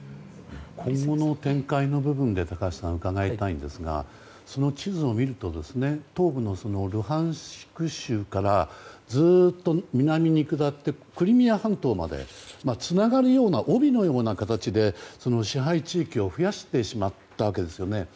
今後の展開の部分で高橋さんに伺いたいんですがその地図を見ると東部のルハンシク州からずっと南に下ってクリミア半島までつながるような帯のような形で支配地域を増やしてしまったわけですよね。